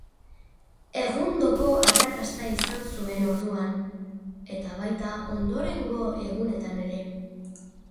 Egundoko arrakasta izan zuen orduan, eta baita ondorengo egunetan ere.